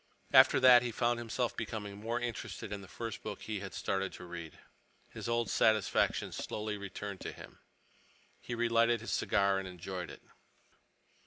After that he found himself becoming more interested in the first book he had started to read. His old satisfaction slowly returned to him. He relighted his cigar and enjoyed it.